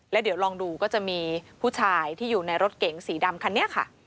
แล้วเดี๋ยวลองดูก็จะมีผู้ชายที่อยู่ในรถเก๋งสีดำคันนี้ค่ะ